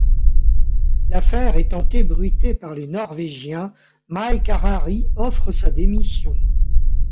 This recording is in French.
L'affaire étant ébruitée par les Norvégiens, Mike Harari offre sa démission.